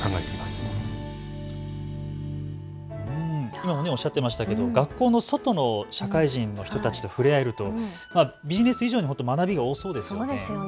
今もおっしゃっていましたが学校の外の社会人の人たちと触れ合えるというのはビジネス以上に学びが多そうですね。